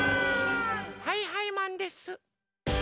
はいはいマンです！